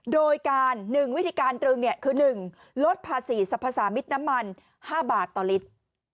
โดยการ๑วิธีการตรึงคือ๑ลดภาษีสรรพสามิตรน้ำมัน๕บาทต่อลิตร